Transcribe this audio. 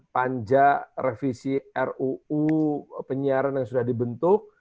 panja revisi ruu penyiaran yang sudah dibentuk